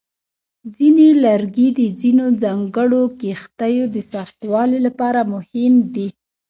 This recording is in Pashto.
ځینې لرګي د ځینو ځانګړو کښتیو د سختوالي لپاره مهم دي.